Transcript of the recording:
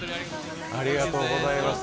ありがとうございます。